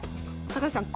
高橋さん